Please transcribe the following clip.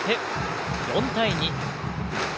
４対２。